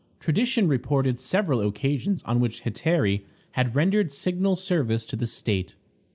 Tradition reported several occasions on which hetairæ had rendered signal service to the state.